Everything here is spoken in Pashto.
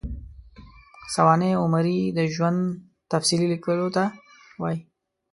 سوانح عمري د ژوند تفصیلي لیکلو ته وايي.